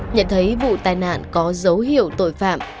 nhận thấy vụ tai nạn có dấu hiệu tội phạm